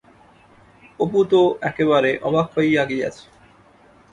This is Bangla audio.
অপু তো একেবারে অবাক হইয়া গিয়াছে।